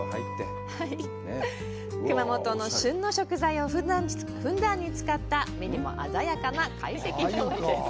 熊本の旬の食材をふんだんに使った目にも鮮やかな会席料理です。